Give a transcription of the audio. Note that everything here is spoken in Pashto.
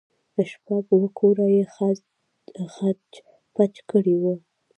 شپږ اوه كوره يې خچ پچ كړي وو.